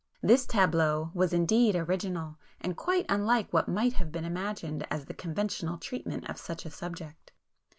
This tableau was indeed original, and quite unlike what might have been imagined as the conventional treatment of such a subject.